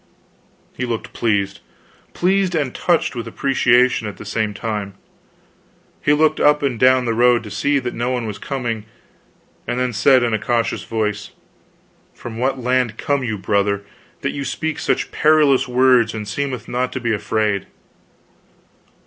He looked pleased; pleased, and touched with apprehension at the same time. He looked up and down the road to see that no one was coming, and then said in a cautious voice: "From what land come you, brother, that you speak such perilous words, and seem not to be afraid?"